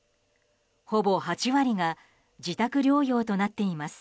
ほぼ８割が自宅療養となっています。